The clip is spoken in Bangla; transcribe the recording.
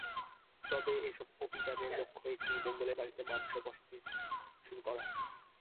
তবে এসব অভিযানের লক্ষ্য একটিই, মঙ্গলের মাটিতে মানুষের বসতি শুরু করা।